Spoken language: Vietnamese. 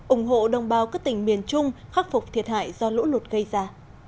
ủng hộ đồng bào các tỉnh miền trung khắc phục thiệt hại do lũ lụt gây ra